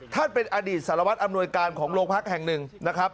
ท่านเป็นอดีตสารวัตรอำนวยการของโรงพักแห่งหนึ่งนะครับ